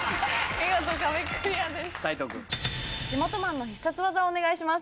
見事壁クリアです。